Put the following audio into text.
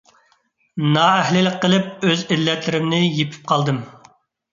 نائەھلىلىك قىلىپ، ئۆز ئىللەتلىرىمنى يېپىپ قالدىم.